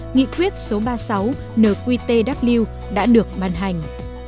nghị quyết số ba mươi sáu nqtw đã được ban hành